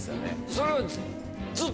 それは。